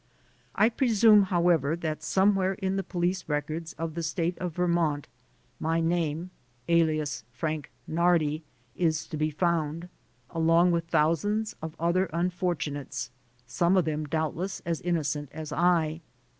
I presume, however, that some where in the police records of the state of Vermont, my name, alias "Frank Nardi," is to be found ; along with thousands of other unfortunates, some of them doubtless as innocent as I.